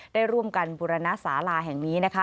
ได้ร่วมกันบุรณสาราแห่งนี้นะคะ